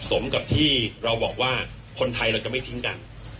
สมกับที่เราบอกว่าคนไทยเราจะไม่ทิ้งกัน